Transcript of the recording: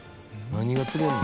何が釣れるの？